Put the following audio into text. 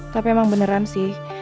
tapi emang beneran sih